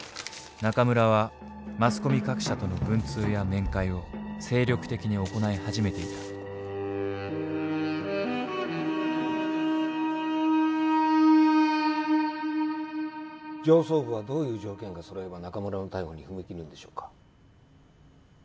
中村はマスコミ各社との文通や面会を精力的に行い始めていた上層部はどういう条件がそろえば中村の逮捕に踏み切るんでしょうか？